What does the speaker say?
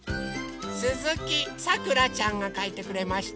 すずきさくらちゃんがかいてくれました。